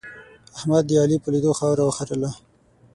احمد د علي په لیدو خاوره وخرله.